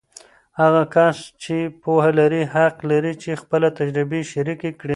هغه کس چې پوهه لري، حق لري چې خپله تجربې شریکې کړي.